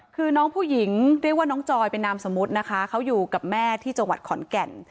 คือน้องผู้หญิงเรียกว่าน้องจอยเป็นนามสมมุตินะคะเขาอยู่กับแม่ที่จังหวัดขอนแก่น